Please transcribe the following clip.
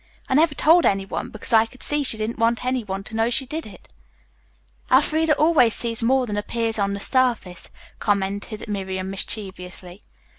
I never told any one, because I could see she didn't want any one to know she did it." "Elfreda always sees more than appears on the surface," commented Miriam mischievously.